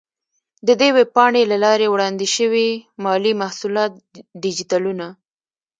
د دې ویب پاڼې له لارې وړاندې شوي مالي محصولات ډیجیټلونه،